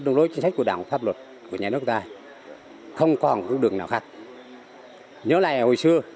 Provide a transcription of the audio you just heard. đồng lối chính sách của đảng và pháp luật của nhà nước ta không còn đường nào khác nhớ lại hồi xưa